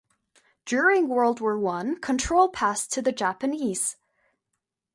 During World War One control passed to the Japanese.